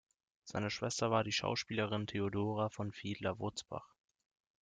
Seine Schwester war die Schauspielerin Theodora von Fiedler-Wurzbach.